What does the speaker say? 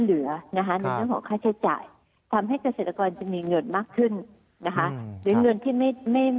หรือเงินที่ไม่ต่างจนปีที่ผ่านมาจะมีเงินเอาไปจับจ่ายที้ส่อยได้